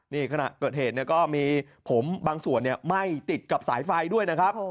นี่ขณะเกิดเหตุเนี่ยก็มีผมบางส่วนไหม้ติดกับสายไฟด้วยนะครับ